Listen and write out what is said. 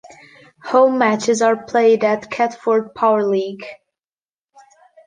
Home matches are played at Catford Powerleague.